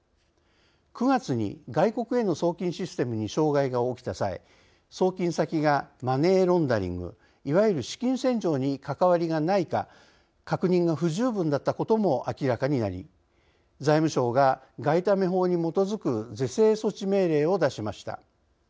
９月に外国への送金システムに障害が起きた際送金先がマネーロンダリングいわゆる資金洗浄に関わりがないか確認が不十分だったことも明らかになり財務省が外為法に基づく是正措置命令を出しました。